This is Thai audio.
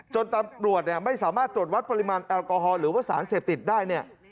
ตำรวจไม่สามารถตรวจวัดปริมาณแอลกอฮอลหรือว่าสารเสพติดได้เนี่ย